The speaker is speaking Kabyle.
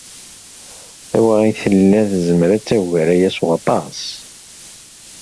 Tawaɣit tella tezmer ad tagar aya s waṭas.